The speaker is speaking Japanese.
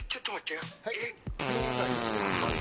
風呂上がりやもんなまず。